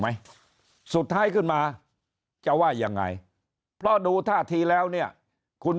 ไหมสุดท้ายขึ้นมาจะว่ายังไงเพราะดูท่าทีแล้วเนี่ยคุณ